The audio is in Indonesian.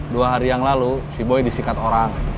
dua hari yang lalu si boi disikat orang